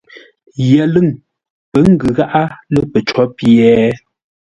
Yəlʉ̂ŋ pə́ ngʉ gháʼá lə̂ pəcó pye?